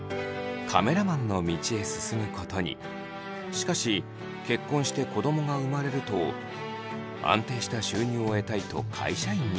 しかし結婚して子どもが生まれると安定した収入を得たいと会社員に。